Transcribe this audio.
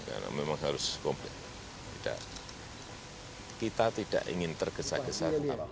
karena memang harus komplek kita tidak ingin tergesa gesa